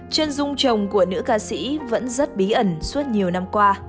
chân dung chồng của nữ ca sĩ vẫn rất bí ẩn suốt nhiều năm qua